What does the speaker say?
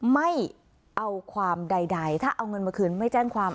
ไม่เอาความใดถ้าเอาเงินมาคืนไม่แจ้งความ